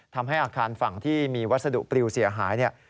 ทำให้อาคารฝั่งที่มีวัสดุปริวเสียหายเนี่ย